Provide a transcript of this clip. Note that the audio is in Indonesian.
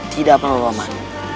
tidak perlu paman